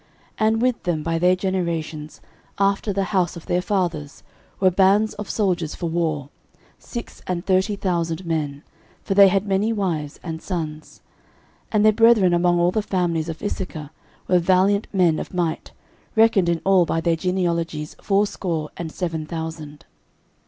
13:007:004 And with them, by their generations, after the house of their fathers, were bands of soldiers for war, six and thirty thousand men: for they had many wives and sons. 13:007:005 And their brethren among all the families of Issachar were valiant men of might, reckoned in all by their genealogies fourscore and seven thousand.